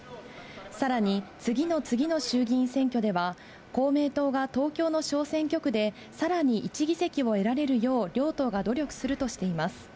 さらに、次の次の衆議院選挙では、公明党が東京の小選挙区で、さらに１議席を得られるよう両党が努力するとしています。